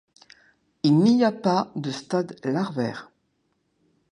Il n'y a pas de stade larvaire.